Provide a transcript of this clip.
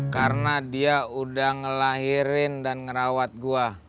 karena dia udah ngelahirin dan ngerawat gue